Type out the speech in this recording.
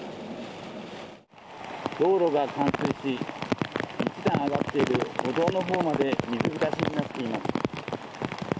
道路が冠水し１段上がっている歩道のほうまで水浸しになっています。